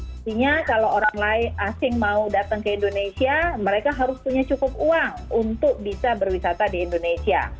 artinya kalau orang asing mau datang ke indonesia mereka harus punya cukup uang untuk bisa berwisata di indonesia